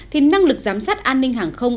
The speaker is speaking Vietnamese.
thì năng lực giám sát an ninh hàng không